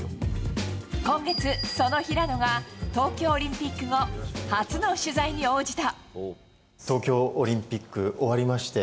今月、その平野が東京オリンピック後初の取材に応じた。